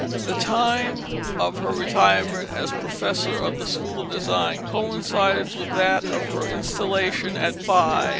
The time of her retirement as professor of the school of design coincides with that of her installation at By.